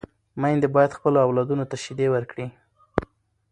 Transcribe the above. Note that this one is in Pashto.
میندې باید خپلو اولادونو ته شیدې ورکړي.